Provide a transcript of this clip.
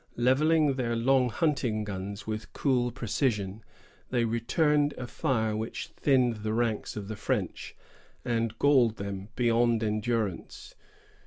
Levelling their long hunting guns with cool precision, they returned a fire which thinned the ranks of the French, and galled them beyond endurance.